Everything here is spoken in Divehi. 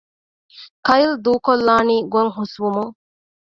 ކައިލް ދޫކޮށްލާނީ ގޮތް ހުސްވުމުން